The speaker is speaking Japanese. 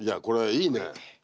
いいね。